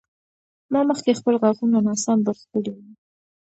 ما مخکې خپل غاښونه ناسم برس کړي وو.